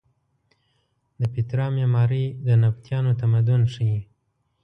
د پیترا معمارۍ د نبطیانو تمدن ښیې.